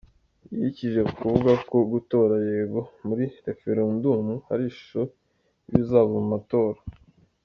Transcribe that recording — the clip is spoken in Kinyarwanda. Yikije ku kuvuga ko gutora yego muri referendumu ari ishusho y’ibizava mu matora.